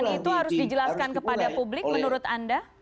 dan itu harus dijelaskan kepada publik menurut anda